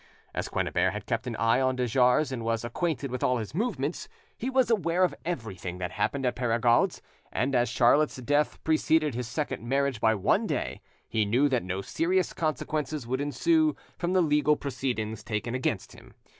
As Quennebert had kept an eye on de Jars and was acquainted with all his movements, he was aware of everything that happened at Perregaud's, and as Charlotte's death preceded his second marriage by one day, he knew that no serious consequences would ensue from the legal proceedings taken against him.